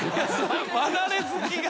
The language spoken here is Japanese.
離れ好きが。